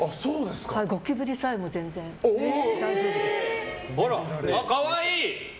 ゴキブリさえも全然大丈夫です。